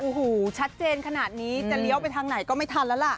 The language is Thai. โอ้โหชัดเจนขนาดนี้จะเลี้ยวไปทางไหนก็ไม่ทันแล้วล่ะ